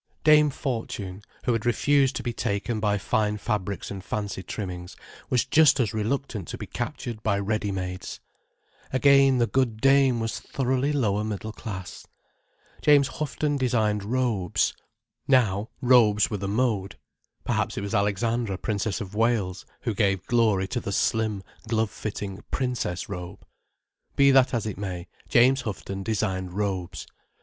Dame Fortune, who had refused to be taken by fine fabrics and fancy trimmings, was just as reluctant to be captured by ready mades. Again the good dame was thoroughly lower middle class. James Houghton designed "robes." Now Robes were the mode. Perhaps it was Alexandra, Princess of Wales, who gave glory to the slim, glove fitting Princess Robe. Be that as it may, James Houghton designed robes.